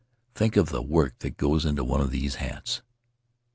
Think of the work that goes into one of these hats.